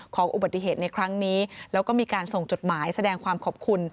ของอุบัติเหตุในครั้งนี้แล้วก็มีการส่งจดหมายแสดงความขอบคุณ